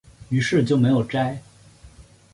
於是就没有摘